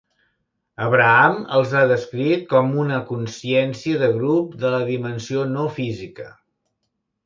Abraham els ha descrit com a "una consciència de grup de la dimensió no física".